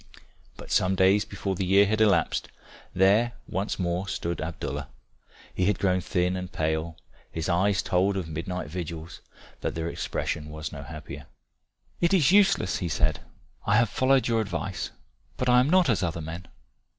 But some days before the year had elapsed, there once more stood Abdallah. He had grown thin and pale, his eyes told of midnight vigils, but their expression was no happier. "It is useless," he said. "I have followed your advice. But I am not as other men.